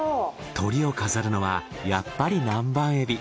トリを飾るのはやっぱり南蛮エビ。